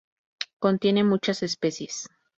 Contiene muchas especies.